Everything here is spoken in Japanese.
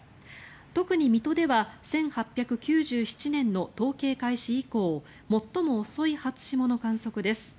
特に水戸では１８９７年の統計開始以降最も遅い初霜の観測です。